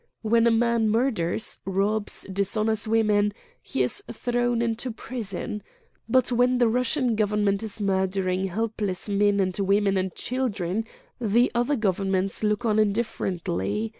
When a man murders, robs, dishonors women he is thrown into prison. But when the Russian Government is murdering helpless men and women and children the other Governments look on indifferently.